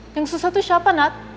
yang susah tuh siapa nat